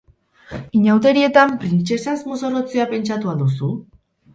Inauterietan printzesaz mozorrotzea pentsatu al duzu?